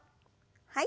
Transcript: はい。